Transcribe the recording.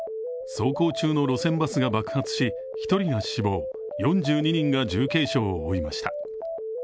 走行中の路線バスが爆発し、１人が死亡、４２人が重軽傷を負いました。